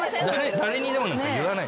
誰にでもなんか言わない。